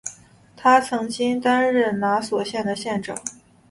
他曾经担任拿索县的县长。